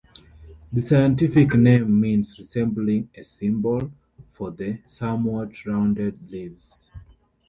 The scientific name means "resembling a cymbal" for the somewhat rounded leaves.